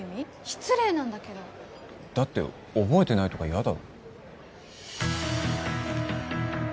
失礼なんだけどだって覚えてないとか嫌だろ？